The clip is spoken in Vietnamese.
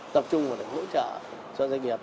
tập trung để hỗ trợ cho doanh nghiệp